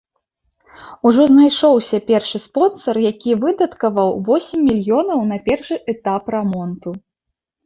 Ужо знайшоўся першы спонсар, які выдаткаваў восем мільёнаў на першы этап рамонту.